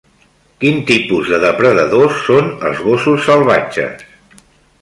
Quin tipus de depredadors són els gossos salvatges?